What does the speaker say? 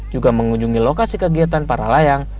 juga mengunjungi lokasi kegiatan para layang